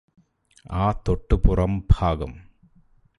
ആ തൊട്ടുപുറം ഭാഗം